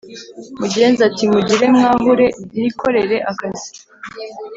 Mugenza ati"mugire mwahure nikorere akazi"